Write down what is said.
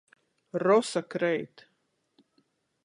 Rosa kreit.